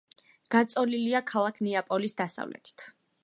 გაწოლილია ქალაქ ნეაპოლის დასავლეთით.